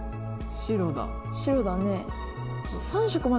白だねえ。